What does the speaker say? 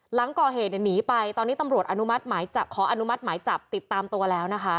หลังก่อเหตุหนีไปตอนนี้ตำรวจขออนุมัติหมายจับติดตามตัวแล้วนะคะ